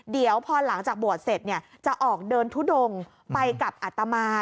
เดี๋ยวพอหลังจากบวชเสร็จจะออกเดินทุดงไปกับอัตมา